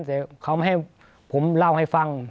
แต่เขาไม่ให้ผมเล่าให้ฟัง